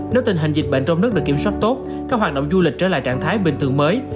nếu tình hình dịch bệnh trong nước được kiểm soát tốt các hoạt động du lịch trở lại trạng thái bình thường mới